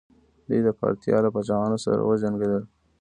دوی د پارتیا له پاچاهانو سره وجنګیدل